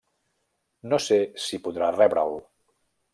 No sé si podrà rebre'l.